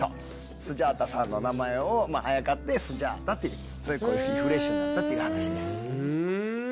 スジャータさんの名前をあやかってスジャータっていうコーヒーフレッシュになったっていう話です。